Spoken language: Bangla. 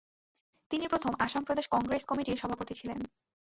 তিনি প্রথম আসাম প্রদেশ কংগ্রেস কমিটির সভাপতি ছিলেন।